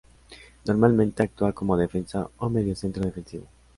Normalmente actúa como defensa o mediocentro defensivo.